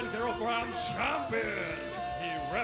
เป็นเกียรติศาสตร์ที่๖๗กิโลกรัม